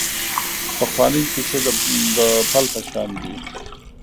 پخوانۍ کیسې د پل په شان دي .